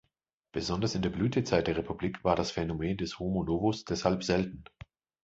Besonders in der Blütezeit der Republik war das Phänomen des "homo novus" deshalb selten.